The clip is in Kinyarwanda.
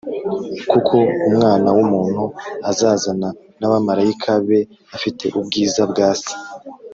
Kuko Umwana w’umuntu azazana n’abamarayika be afite ubwiza bwa Se,